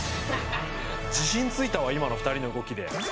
自信ついたわ、今の２人の動きで。